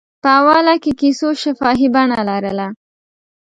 په اوله کې کیسو شفاهي بڼه لرله.